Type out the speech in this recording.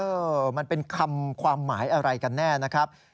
เออมันเป็นคำความหมายอะไรกันแน่นะครับ